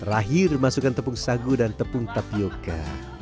terakhir masukkan tepung sagu dan tepung tapioca